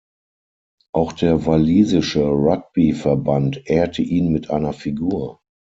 Auch der walisische Rugbyverband ehrte ihn mit einer Figur.